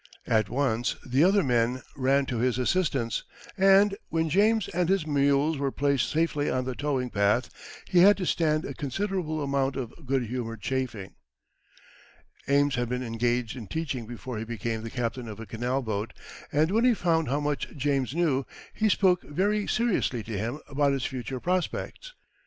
At once the other men ran to his assistance, and, when James and his mules were placed safely on the towing path, he had to stand a considerable amount of good humoured chaffing. Amos had been engaged in teaching before he became the captain of a canal boat, and when he found how much James knew, he spoke very seriously to him about his future prospects.